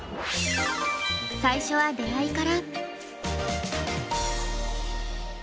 最初は出会いから！